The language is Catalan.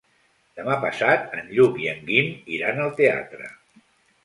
Demà passat en Lluc i en Guim iran al teatre.